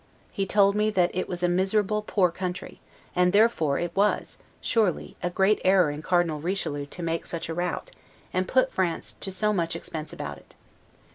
He told me that it was a miserable poor country, and therefore it was, surely, a great error in Cardinal Richelieu to make such a rout, and put France to so much expense about it.